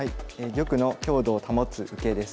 「玉の強度を保つ受け」です。